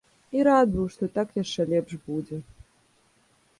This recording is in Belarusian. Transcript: І рад быў, што так яшчэ лепш будзе.